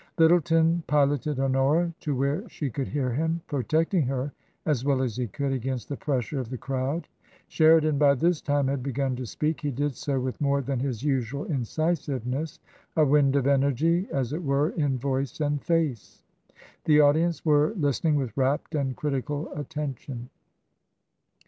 Lyttleton piloted Honora to where she could hear him, protecting her as well as he could against the pressure of the crowd. Sheridan by this time had begun to speak ; he did so with more than his usual incisiveness, a wind of energy, as it were, in voice and face. The audience were listen ing with rapt and critical attention.